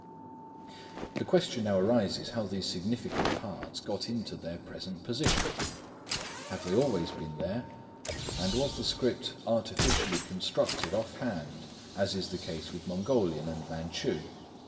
The question now arises how these significant parts got into their present position. Have they always been there, and was the script artificially constructed off hand, as is the case with Mongolian and Manchu?